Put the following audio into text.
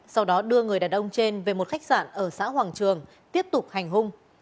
sau đó đưa người đàn ông trên về một khách sạn ở xã hoàng trường tiếp tục hành hung